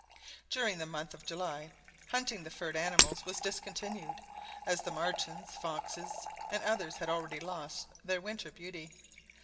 During the month of July hunting the furred animals was discontinued, as the martens, foxes, and others had already lost their winter beauty.